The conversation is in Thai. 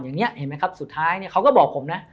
หรือนี่สุดท้ายเขาก็บอกผมนะ